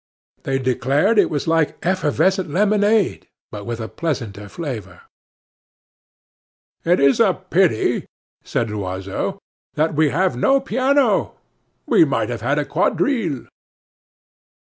They declared it was like effervescent lemonade, but with a pleasanter flavor. "It is a pity," said Loiseau, "that we have no piano; we might have had a quadrille."